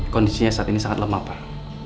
kondisinya saat ini sangat lemah pak